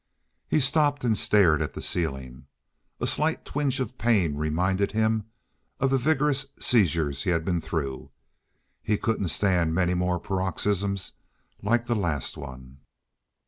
He stopped and stared at the ceiling. A slight twinge of pain reminded him of the vigorous seizures he had been through. He couldn't stand many more paroxysms like the last one.